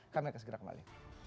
kami akan segera kembali